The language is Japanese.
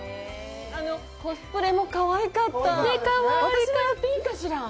コスプレもかわいかった。